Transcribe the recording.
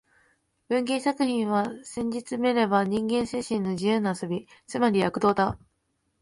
文芸作品は、せんじつめれば人間精神の自由な遊び、つまり躍動だ